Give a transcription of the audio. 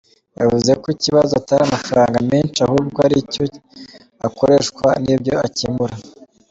Yavuze ko ikibazo atari amafaranga menshi ahubwo ari icyo akoreshwa n’ibyo akemura.